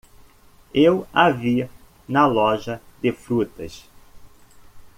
Eu a vi na loja de frutas